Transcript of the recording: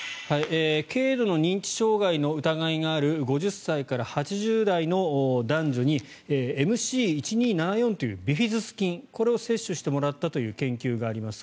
軽度の認知障害の疑いがある５０歳から８０歳の男女にＭＣＣ１２７４というビフィズス菌を摂取してもらったという結果があります。